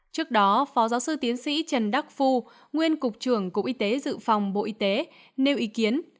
trước đó phó giáo sư tiến sĩ trần đắc phu nguyên cục trưởng cục y tế dự phòng bộ y tế nêu ý kiến